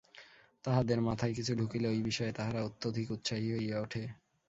তাহাদের মাথায় কিছু ঢুকিলে ঐ-বিষয়ে তাহারা অত্যধিক উৎসাহী হইয়া উঠে।